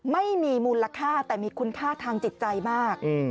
ไม่มีมูลค่าแต่มีคุณค่าทางจิตใจมาก